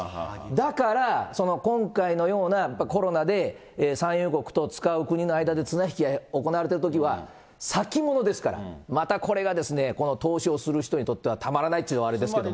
だから、今回のようなコロナで、産油国と使う国の間で綱引きが行われてるときは、先物ですから、またこれがですね、この投資をする人にとってはたまらないっていうのはあれですけど。